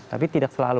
tapi tidak selalu